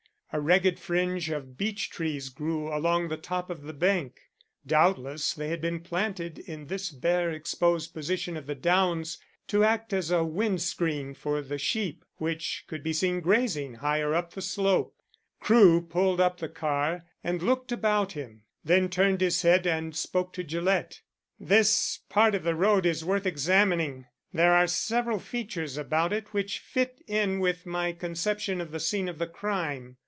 A ragged fringe of beech trees grew along the top of the bank; doubtless they had been planted in this bare exposed position of the downs to act as a wind screen for the sheep which could be seen grazing higher up the slope. Crewe pulled up the car and looked about him, then turned his head and spoke to Gillett: "This part of the road is worth examining. There are several features about it which fit in with my conception of the scene of the crime."